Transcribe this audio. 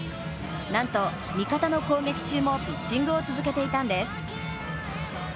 なんと味方の攻撃中もピッチングを続けていたんです。